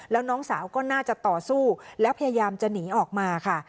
แล้วน้องสาวก็น่าจะต่อสู้แล้วพยายามจะหนีออกมาค่ะ